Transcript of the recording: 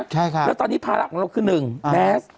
ใช่ครับแล้วตอนนี้ภาระของเราคือ๑แมส